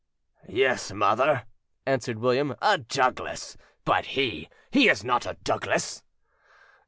"Yes, mother," answered William, "a Douglas!... but he—he is not a Douglas."